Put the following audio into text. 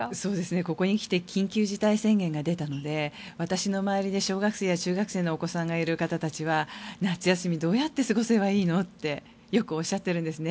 ここに来て緊急事態宣言が出たので私の周りで小学生や中学生のお子さんがいる方たちは夏休みどうやって過ごせばいいのってよくおっしゃっているんですね。